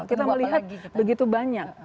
kita melihat begitu banyak